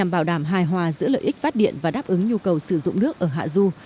bảo đảm hài hòa giữa lợi ích phát điện và đáp ứng nhu cầu sử dụng nước ở hạ du